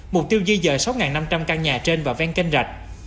mục tiêu di dời sáu năm trăm linh căn nhà trên và ven kênh rạch